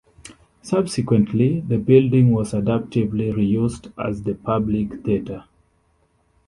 Subsequently, the building was adaptively reused as The Public Theater.